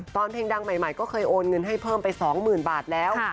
เพลงดังใหม่ก็เคยโอนเงินให้เพิ่มไป๒๐๐๐บาทแล้ว